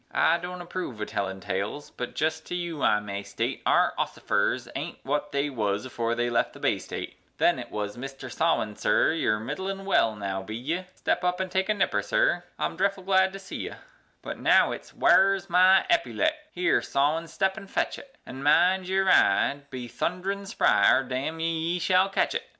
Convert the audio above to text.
I don't approve o' tellin' tales, but jest to you I may state Our ossifers aint wut they wuz afore they left the Bay State; Then it wuz "Mister Sawin, sir, you're midd'lin well now, be ye? Step up an' take a nipper, sir; I'm dreffle glad to see ye;" But now it's, "Ware's my eppylet? Here, Sawin, step an' fetch it! An' mind your eye, be thund'rin spry, or damn ye, you shall ketch it!"